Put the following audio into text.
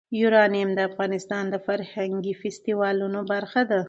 یورانیم د افغانستان د فرهنګي فستیوالونو برخه ده.